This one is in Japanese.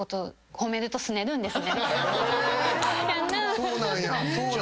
そうなんや！